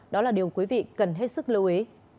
đó là điều quý vị cần hết sức lưu ý